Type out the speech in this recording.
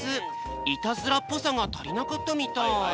イタズラっぽさがたりなかったみたい。